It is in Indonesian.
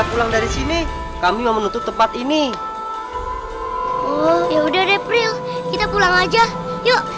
kita pulang dari sini kami menutup tempat ini oh ya udah depril kita pulang aja yuk